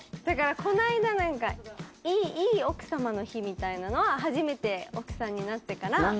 だからこないだなんかいい奥様の日みたいなのは初めて奥さんになってから。